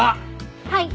はい！